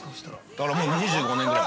◆だからもう２５年ぐらい。